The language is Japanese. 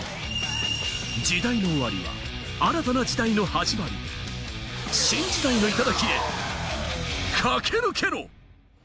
時代の終わりは新たな時代の始まり、新時代の頂へ、駆け抜けろ。